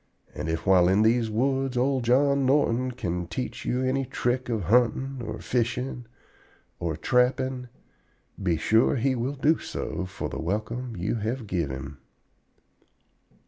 And if while in these woods old John Norton can teach you any trick of huntin' or of fishin' or of trappin', be sure he will do so for the welcome you have give him."